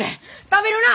食べるな！